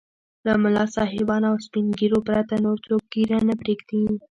له ملا صاحبانو او سپين ږيرو پرته نور څوک ږيره نه پرېږدي.